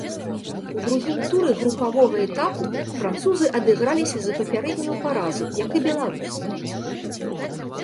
У другім туры групавога этапу французы адыграліся за папярэднюю паразу, як і беларусы.